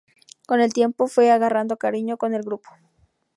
Con el tiempo fue agarrando cariño con el grupo.